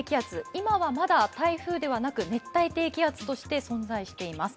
今はまだ台風ではなく熱帯低気圧として存在しています。